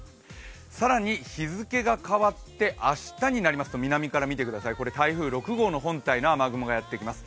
更に、日付が変わって明日になりますと南から見てください、これ台風６号の本体の雨雲がやってきます。